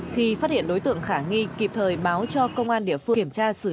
khi phát hiện đối tượng khả nghi kịp thời báo cho công an tp quảng ngãi